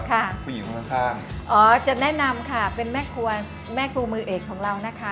ผู้หญิงข้างอ๋อจะแนะนำค่ะเป็นแม่ครัวแม่ครัวมือเอกของเรานะคะ